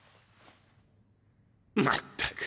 まったく。